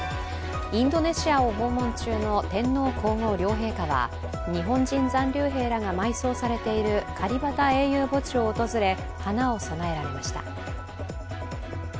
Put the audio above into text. インドネシアを訪問中の天皇皇后両陛下は日本人残留兵らが埋葬されているカリバタ英雄基地を訪れ、花を供えられました。